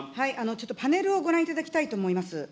ちょっとパネルをご覧いただきたいと思います。